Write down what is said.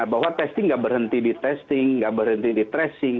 bahwa testing nggak berhenti di testing nggak berhenti di tracing